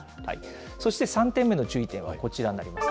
そして３点目の注意点はこちらになります。